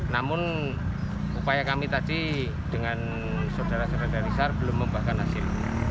namun upaya kami tadi dengan saudara saudara dari sar belum membuahkan hasil